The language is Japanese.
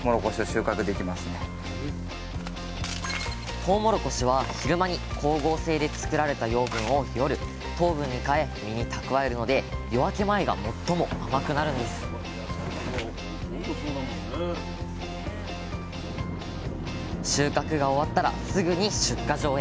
とうもろこしは昼間に光合成で作られた養分を夜糖分に変え実に蓄えるので夜明け前が最も甘くなるんです収穫が終わったらすぐに出荷場へ